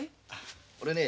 俺ね